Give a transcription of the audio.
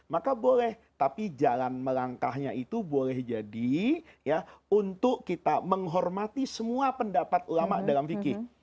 maka boleh tapi jalan melangkahnya itu boleh jadi ya untuk kita menghormati semua pendapat ulama dalam fikih